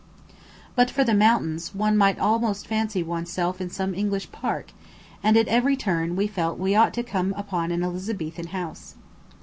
But for the mountains, one might almost fancy oneself in some English park, and at every turn we felt we ought to come upon an Elizabethan House.